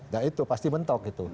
nah itu pasti mentok